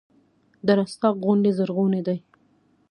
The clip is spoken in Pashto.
د رستاق غونډۍ زرغونې دي